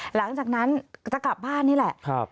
หลังจากนั้นจะกลับบ้านนี่แหละ